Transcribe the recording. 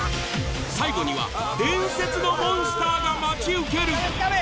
最後には伝説のモンスターが待ち受ける。